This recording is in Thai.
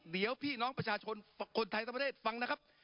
เดี๋ยวพี่น้องประชาชนคนไทยทั้งประเทศฟังนะครับ